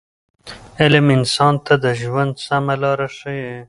علم انسان ته د ژوند سمه لاره ښیي.